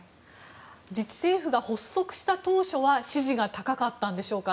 自治政府が発足した当初は支持が高かったんでしょうか。